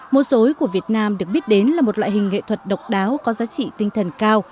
múa dối của việt nam được biết đến là một loại hình nghệ thuật độc đáo có giá trị tinh thần cao